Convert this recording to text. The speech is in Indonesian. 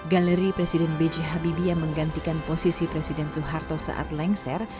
galeri presiden b j habibie yang menggantikan posisi presiden soeharto saat lengser